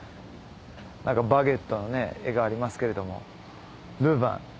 何かバゲットの絵がありますけれども「ルヴァン」。